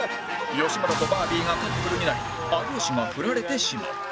吉村とバービーがカップルになり有吉がフラれてしまう